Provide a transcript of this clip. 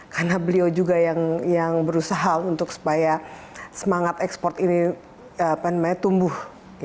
karena beliau juga yang berusaha untuk supaya semangat ekspor ini tumbuh